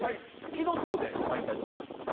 「ふきのとう」でまいりたいと思います。